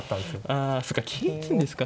あそうか桂打つんですか。